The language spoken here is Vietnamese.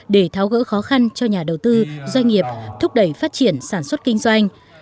để tháo gỡ khó khăn cho nhà đầu tư doanh nghiệp thúc đẩy phát triển sản xuất kinh doanh